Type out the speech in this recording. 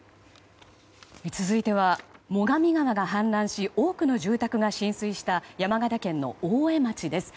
続いては、最上川が氾濫し多くの住宅が浸水した山形県の大江町です。